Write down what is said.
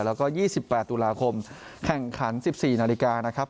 แล้วก็๒๘ตุลาคมแข่งขัน๑๔นาฬิกานะครับ